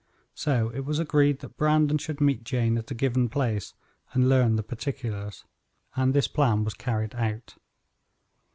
So it was agreed that Brandon should meet Jane at a given place and learn the particulars, and this plan was carried out.